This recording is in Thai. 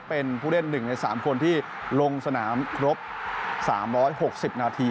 เป็นผู้เล่น๑ใน๓คนที่ลงสนามครบ๓๖๐นาที